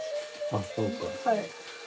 はい。